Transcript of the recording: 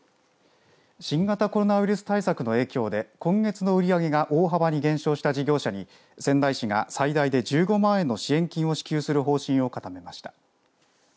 新型コロナウイルスの影響で今月の売り上げが大幅に減少した事業者に仙台市が最大で１５万円の支援金を支給する方針を固めました。